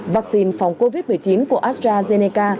vaccine phòng covid một mươi chín của astrazeneca